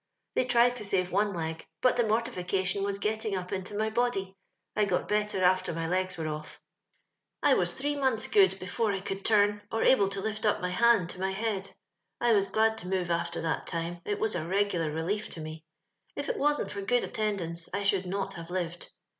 They tried to save one leg, but the mortification was getting up into my body. I got better after my legs were off. I was three mouths good before I could turn, or able to lift up my band to my head. I was glad to move after that time, it was a regular relief to me; if it wasn't for good attendance, I should not have lived.